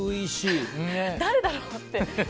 誰だろうって。